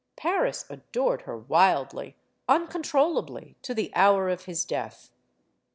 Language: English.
Paris adored her wildly, uncontrollably, to the hour of his death.